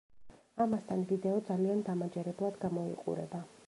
ამასთან, ვიდეო ძალიან დამაჯერებლად გამოიყურება.